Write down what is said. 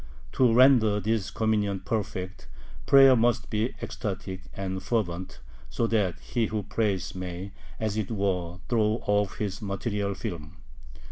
To render this communion perfect, prayer must be ecstatic and fervent, so that he who prays may, as it were, throw off his material film.